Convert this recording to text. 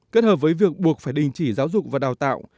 kết hợp với việc buộc phải đình chỉ giáo dục và đào tạo